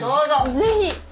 ぜひ！